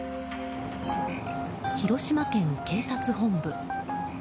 広島県警察本部。